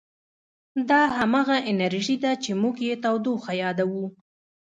دا همغه انرژي ده چې موږ یې تودوخه یادوو.